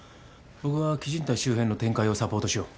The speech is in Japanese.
僕は基靭帯周辺の展開をサポートしよう。